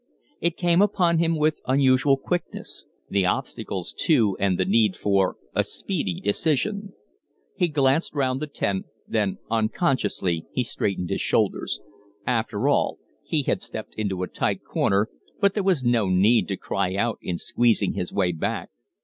It came upon him with unusual quickness the obstacles to, and the need for, a speedy decision. He glanced round the tent, then unconsciously he straightened his shoulders. After all, he had stepped into a tight corner, but there was no need to cry out in squeezing his way back.